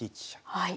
はい。